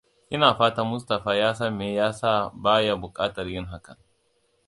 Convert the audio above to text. Ina fatan Mustapha ya san me yasa ba ya buƙatar yin hakan.